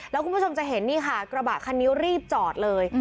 แล้วคุณผู้ชมจะเห็นนี่ค่ะกระบะคันนี้รีบจอดเลย